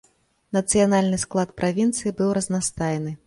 Нацыянальны склад правінцыі быў разнастайны.